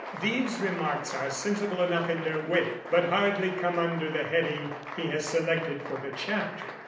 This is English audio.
These remarks are sensible enough in their way, but hardly come under the heading he has selected for the chapter.